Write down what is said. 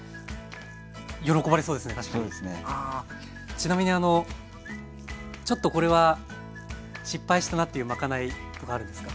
ちなみにあのちょっとこれは失敗したなっていうまかないはあるんですか？